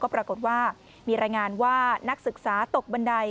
ปรากฏว่ามีรายงานว่านักศึกษาตกบันได